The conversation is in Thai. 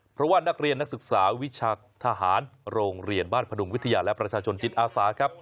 เพราะว่านักเรียนนักศึกษาวิชาทหารโรงเรียนบ้านพดุงวิทยาและประชาชนจิตอาสาครับ